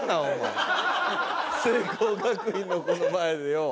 聖光学院の子の前でよ。